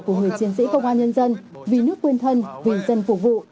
của người chiến sĩ công an nhân dân vì nước quên thân vì dân phục vụ